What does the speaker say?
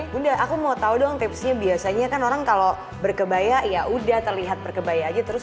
bunda aku mau tahu dong tipsnya biasanya kan orang kalau berkebaya ya udah terlihat berkebaya aja terus